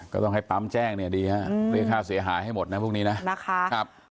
ก็ต้องให้ปั๊มแจ้งเนี่ยดีฮะเรียกค่าเสียหายให้หมดนะพวกนี้นะนะคะ